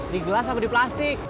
di gelas apa di plastik